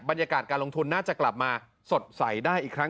บรรยากาศการลงทุนน่าจะกลับมาสดใสได้อีกครั้ง